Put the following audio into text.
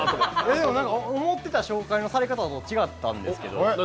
思ってた紹介のされ方と違ったんですけど。